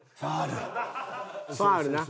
ファウル。